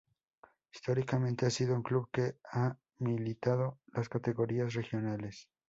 Históricamente ha sido un club que ha militado las categorías regionales.